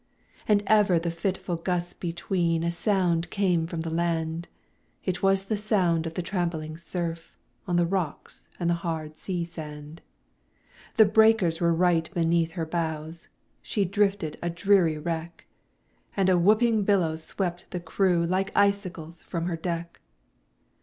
And ever the fitful gusts between A sound came from the land; It was the sound of the trampling surf, On the rocks and the hard sea sand. The breakers were right beneath her bows, She drifted a dreary wreck, And a whooping billow swept the crew Like icicles from her deck.